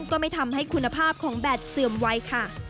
ก็ไม่ทำให้คุณภาพของแบตเสื่อมวัยค่ะ